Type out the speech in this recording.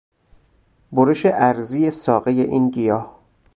برش عرضی ساقهی این گیاه